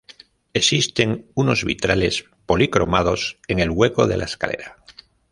Existen unos vitrales policromados en el hueco de la escalera.